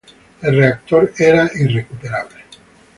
El reactor era irrecuperable.